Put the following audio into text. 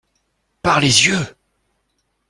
Par les yeux!